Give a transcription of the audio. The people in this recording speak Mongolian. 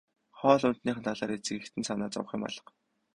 Хоол ундных нь талаар эцэг эхэд нь санаа зовох юм алга.